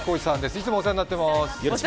いつもお世話になっております。